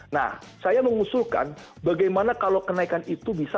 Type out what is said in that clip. nah saya mengusulkan bagaimana kalau kenaikan itu bisa